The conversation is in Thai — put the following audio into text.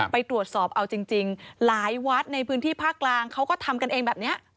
ไปตรวจสอบเอาจริงหลายวัดในพื้นที่ภาคกลางเขาก็ทำกันเองแบบนี้